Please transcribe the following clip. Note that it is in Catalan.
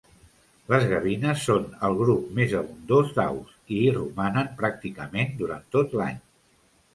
Les gavines són el grup més abundós d'aus i hi romanen pràcticament durant tot l'any.